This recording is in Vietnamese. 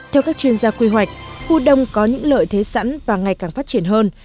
theo các chuyên gia quy hoạch khu đông có những lợi thế sẵn và ngày càng phát triển hơn